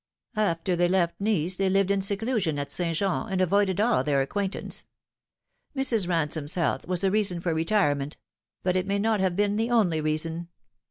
After they left Nice they lived in seclusion at St. Jean, and avoided all tlicir acquaintance. Mrs. Ransome's health was a reason for retire ment ; but it may not have been the only reason.